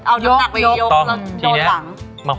เอายกหนักไปยกแล้วโดนหลัง